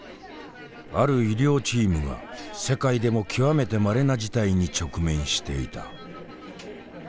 ある医療チームが世界でも極めてまれな事態に直面していた。